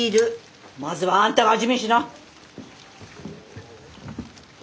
まずはあんたが味見しな！